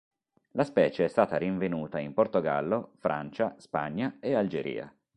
La specie è stata rinvenuta in Portogallo, Francia, Spagna e Algeria.